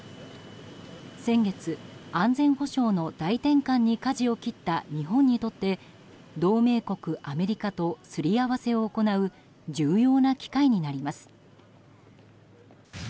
先月、安全保障の大転換にかじを切った日本にとって同盟国アメリカとすり合わせを行う重要な機会になります。